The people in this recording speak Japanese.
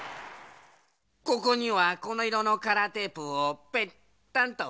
ここにはこのいろのカラーテープをぺったんと。